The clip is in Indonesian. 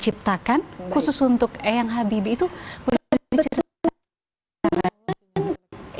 ciptakan khusus untuk yang habib itu berbeda beda